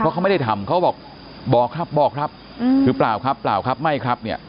เขาไม่ได้ทำเขาบอกบอกครับบอกครับคือเปล่าครับเปล่าครับไม่ครับเนี่ย